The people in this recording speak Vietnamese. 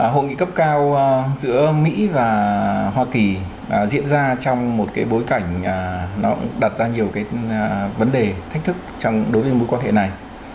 hội nghị cấp cao giữa mỹ và hoa kỳ diễn ra trong một bối cảnh đặt ra nhiều vấn đề thách thức đối với mối quan hệ này